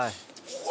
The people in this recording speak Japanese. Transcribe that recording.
うわ！